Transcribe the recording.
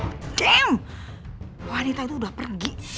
oh damn wanita itu udah pergi